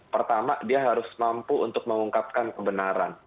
pertama dia harus mampu untuk mengungkapkan kebenaran